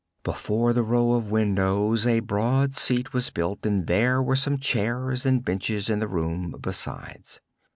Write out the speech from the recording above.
Before the row of windows a broad seat was built and there were some chairs and benches in the room besides.